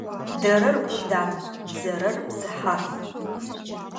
Дэрэр Ӏудан, бзэрэр бзыхьаф.